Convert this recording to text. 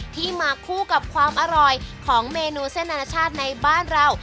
ที่มาคู่กับความอร่อยของเมนูเส้นอนาชาติในบ้านเรา